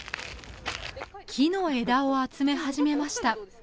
木の枝を集め始めました